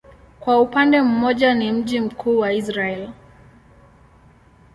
Kwa upande mmoja ni mji mkuu wa Israel.